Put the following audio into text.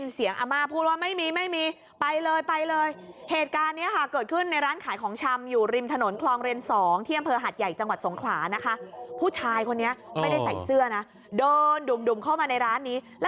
สีอีนิดแต่ก็ได้ยินเสียงอำมา